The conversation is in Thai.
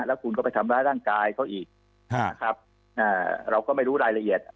แล้วคุณก็ไปทำร้ายร่างกายเขาอีกนะครับเราก็ไม่รู้รายละเอียด